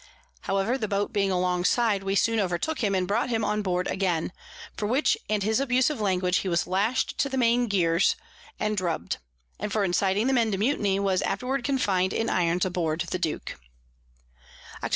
However, the Boat being along side, we soon overtook him, and brought him on board again. For which and his abusive Language he was lash'd to the Main Geers and drub'd; and for inciting the Men to Mutiny, was afterward confin'd in Irons aboard the Duke. _Octob.